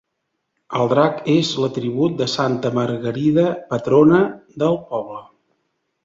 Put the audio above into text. El drac és l'atribut de santa Margarida, patrona del poble.